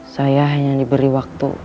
saya hanya diberi waktu